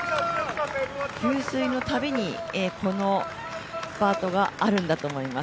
給水のたびにこのスパートがあるんだと思います。